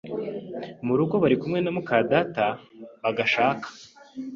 mu rugo bari kumwe na mukadata bagashaka